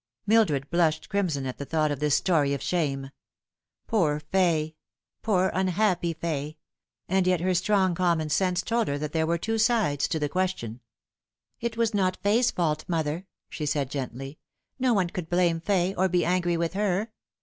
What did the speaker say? Mildred blushed crimson at the thought of this story of shame. Poor Fay ! poor, unhappy Fay ! And yet her strong common sense told her that there were two sides to the question. Drifting Apart. 65 "It was not Fay's fault, mother," she said gently. "No one could blame Fay, or be angry with her.